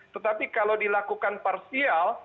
tetapi kalau dilakukan parsial